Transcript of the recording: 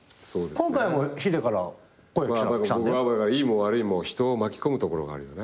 僕はいいも悪いも人を巻き込むところがあるよね。